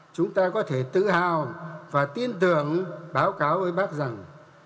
chúng ta có thể tự hào và tin tưởng báo cáo với bác rằng